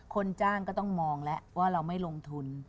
คนจ้างก็ต้องมองแล้วว่าเราไม่ลงทุน